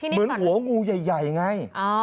เหมือนหัวงูใหญ่ไง